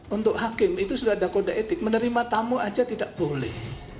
untuk hakim itu sudah ada kode etik menerima tamu aja tidak boleh